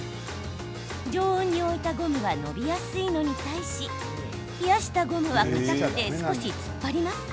常温に置いたゴムは伸びやすいのに対し冷やしたゴムはかたくて少し突っ張ります。